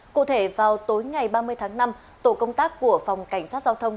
cụ thể vào tối ngày ba mươi tháng năm tổ công tác của phòng cảnh sát giao thông